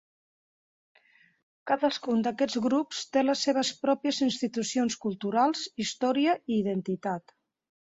Cadascun d'aquests grups té les seves pròpies institucions culturals, història i identitat.